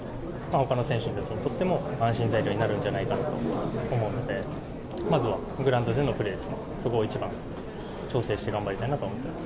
ほかの選手たちにとっても、安心材料になるんじゃないかなと思うんで、まずはグラウンドでのプレーですね、そこを一番調整して頑張りたいなと思ってます。